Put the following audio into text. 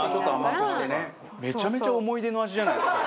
バカリズム：めちゃめちゃ思い出の味じゃないですか。